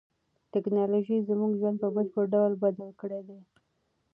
تکنالوژي زموږ ژوند په بشپړ ډول بدل کړی دی.